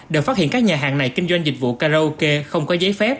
đều phát hiện các nhà hàng này kinh doanh dịch vụ karaoke không có giấy phép